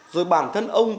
rồi bản thân ông